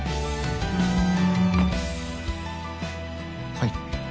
はい。